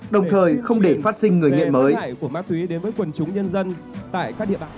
đồng thời không để phát sinh người nghiện mới